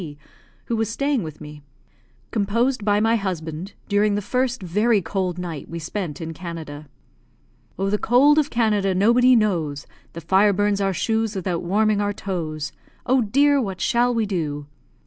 C , who was staying with me, "composed by my husband, during the first very cold night we spent in Canada" Oh, the cold of Canada nobody knows, The fire burns our shoes without warming our toes; Oh, dear, what shall we do?